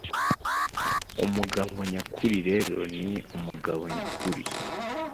umugabo nyakuri rero ni umugabo nyakuri”